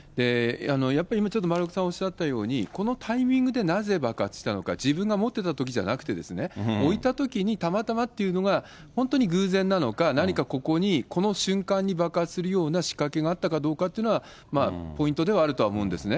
やっぱり今、ちょっと丸岡さんおっしゃったように、このタイミングでなぜ爆発したのか、自分が持ってたときじゃなくて、置いたときにたまたまっていうのが、本当に偶然なのか、何かここに、この瞬間に爆発するような仕掛けがあったかどうかというのはポイントではあると思うんですね。